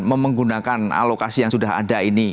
menggunakan alokasi yang sudah ada ini